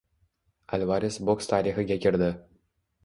Alvares boks tarixiga kirdi